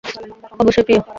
অবশ্যই, প্রিয়।